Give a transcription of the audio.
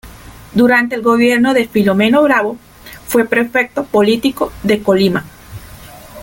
Durante el gobierno de Filomeno Bravo, fue Prefecto político de Colima.